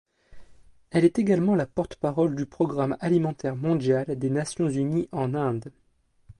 Elle est également la porte-parole du Programme alimentaire mondial des Nations unies en Inde.